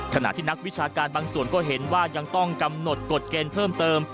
ขณะที่นักวิชาการบางส่วนก็เห็นว่ายังต้องกำหนดกฎเกณฑ์เพิ่มเติม